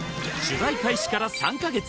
取材開始から３か月